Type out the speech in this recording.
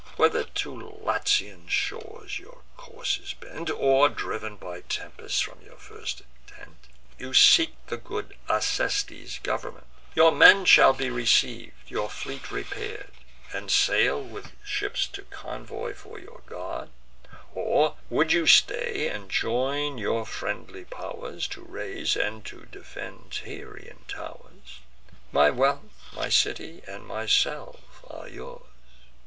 Whether to Latian shores your course is bent, Or, driv'n by tempests from your first intent, You seek the good Acestes' government, Your men shall be receiv'd, your fleet repair'd, And sail, with ships of convoy for your guard: Or, would you stay, and join your friendly pow'rs To raise and to defend the Tyrian tow'rs, My wealth, my city, and myself are yours.